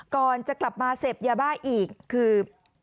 ก่อนจะกลับมาเสพยาบ้าอีกคือ